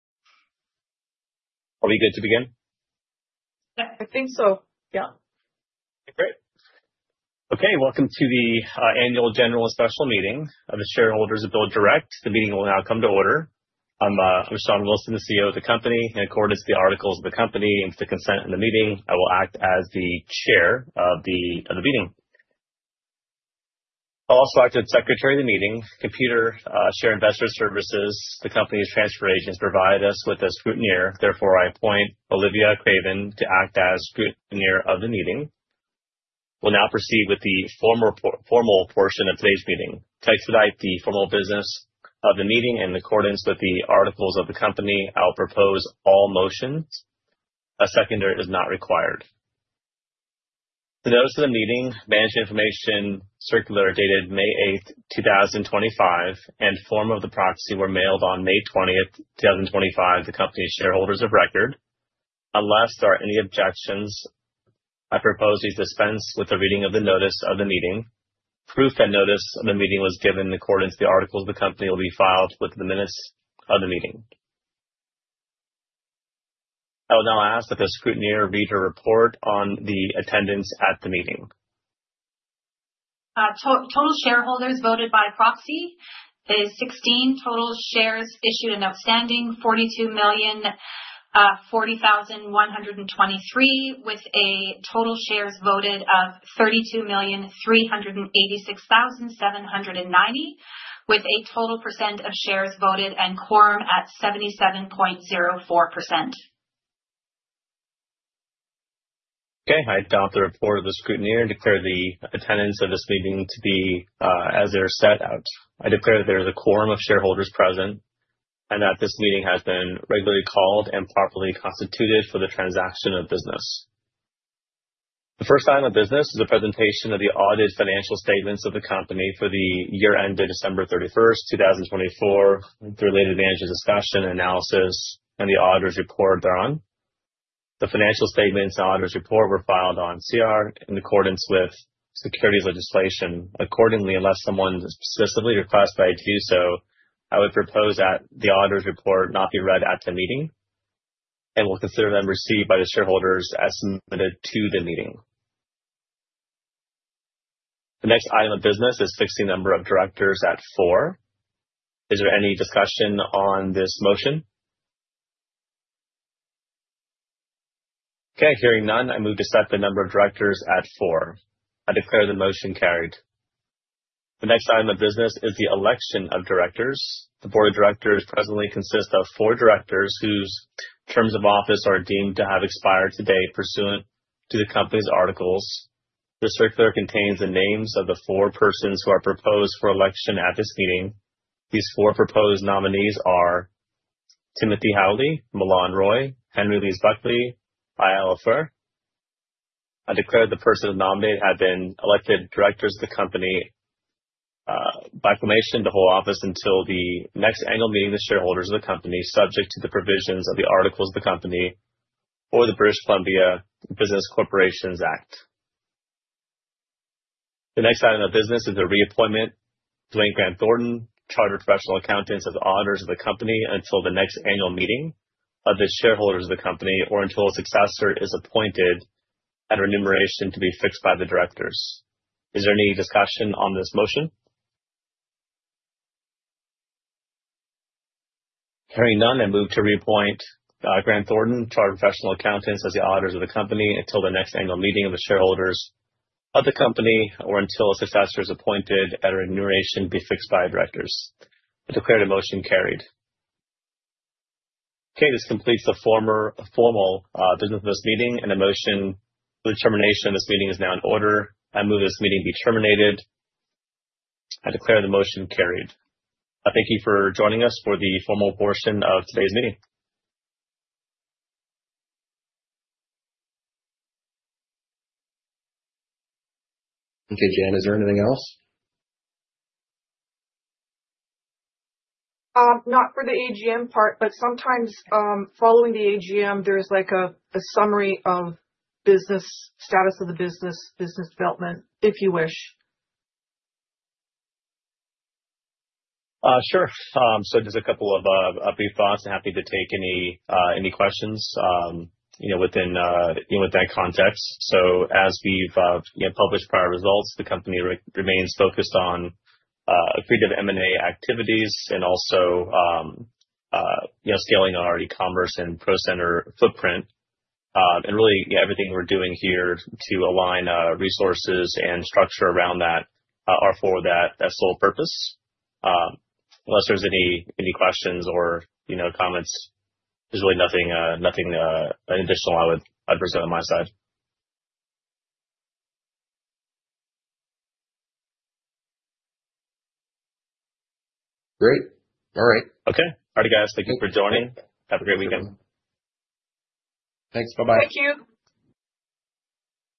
Are we good to begin? Yeah, I think so. Yeah. Great. Okay, welcome to the annual general special meeting of the shareholders of BuildDirect. The meeting will now come to order. I'm Shawn Wilson, the CEO of the company. In accordance with the articles of the company and the consent in the meeting, I will act as the Chair of the meeting. I'll also act as Secretary of the meeting, Computershare Investor Services. The company's transfer agents provide us with a Scrutineer. Therefore, I appoint Olivia Craven to act as Scrutineer of the meeting. We'll now proceed with the formal portion of today's meeting. To expedite the formal business of the meeting in accordance with the articles of the company, I'll propose all motions. A seconder is not required. The notice of the meeting, management information circular dated May 8th, 2025, and form of the proxy were mailed on May 20th, 2025, to the company's shareholders of record. Unless there are any objections, I propose we dispense with the reading of the notice of the meeting. Proof that notice of the meeting was given in accordance to the articles of the company will be filed with the minutes of the meeting. I will now ask that the scrutineer read her report on the attendance at the meeting. Total shareholders voted by proxy is 16. Total shares issued and outstanding, 42,040,123, with a total shares voted of 32,386,790, with a total % of shares voted and quorum at 77.04%. Okay. I adopt the report of the scrutineer and declare the attendance of this meeting to be as they're set out. I declare that there's a quorum of shareholders present and that this meeting has been regularly called and properly constituted for the transaction of business. The first item of business is a presentation of the audited financial statements of the company for the year ending December 31st, 2024, with related management discussion and analysis and the auditor's report thereon. The financial statements and auditor's report were filed on SEDAR in accordance with securities legislation. Unless someone specifically requests that I do so, I would propose that the auditor's report not be read at the meeting and we'll consider them received by the shareholders as submitted to the meeting. The next item of business is fix the number of directors at four. Is there any discussion on this motion? Okay. Hearing none, I move to set the number of directors at four. I declare the motion carried. The next item of business is the election of directors. The board of directors presently consists of four directors whose terms of office are deemed to have expired today pursuant to the company's articles. The circular contains the names of the four persons who are proposed for election at this meeting. These four proposed nominees are Timothy Howley, Milan Roy, Henry Lees-Buckley, Eyal Ofir. I declare the persons nominated have been elected directors of the company by acclamation to hold office until the next annual meeting of the shareholders of the company, subject to the provisions of the articles of the company or the British Columbia Business Corporations Act. The next item of business is the reappointment of Doane Grant Thornton, Chartered Professional Accountants as the auditors of the company until the next annual meeting of the shareholders of the company or until a successor is appointed at a remuneration to be fixed by the directors. Is there any discussion on this motion? Hearing none, I move to reappoint Grant Thornton, Chartered Professional Accountants as the auditors of the company until the next annual meeting of the shareholders of the company or until a successor is appointed at a remuneration to be fixed by directors. I declare the motion carried. This completes the formal business of this meeting and the motion for the termination of this meeting is now in order. I move this meeting be terminated. I declare the motion carried. I thank you for joining us for the formal portion of today's meeting. Okay, Jan, is there anything else? Not for the AGM part, but sometimes, following the AGM, there's like a summary of business, status of the business development, if you wish. Sure. Just a couple of brief thoughts. I'm happy to take any questions, you know, within, you know, within that context. As we've, you know, published prior results, the company remains focused on accretive M&A activities and also, you know, scaling our e-commerce and Pro Centers footprint. Really, yeah, everything we're doing here to align resources and structure around that are for that sole purpose. Unless there's any questions or, you know, comments, there's really nothing additional I would, I'd bring up on my side. Great. All right. Okay. All right, guys. Thank you for joining. Have a great weekend. Thanks. Bye-bye. Thank you.